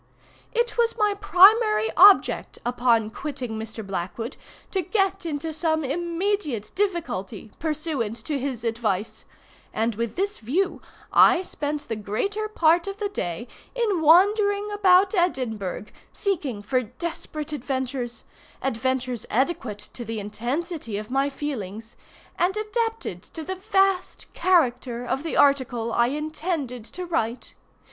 It was my primary object upon quitting Mr. Blackwood, to get into some immediate difficulty, pursuant to his advice, and with this view I spent the greater part of the day in wandering about Edinburgh, seeking for desperate adventures—adventures adequate to the intensity of my feelings, and adapted to the vast character of the article I intended to write.